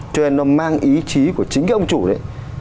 cho nên nó mang ý chí của chính cái ông chủ đấy